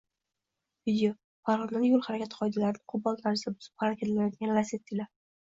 Video: Farg‘onada yo‘l harakati qoidalarini qo‘pol tarzda buzib harakatlanayotgan Lacetti’lar